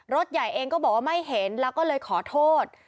รถใหญ่เองก็บอกว่าไม่เห็นแล้วก็เลยขอโทษ